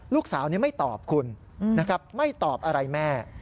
ลูกสาวนี้ไม่ตอบคุณนะครับไม่ตอบอะไรแม่